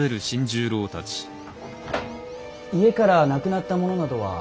家からなくなったものなどは。